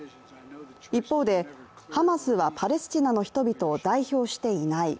一方で、ハマスはパレスチナの人々を代表していない。